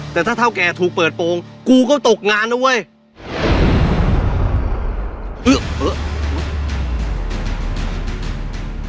แต่ถ้าเท่าแกถูกเปิดโปรงกูก็ตกงานนะเว้ย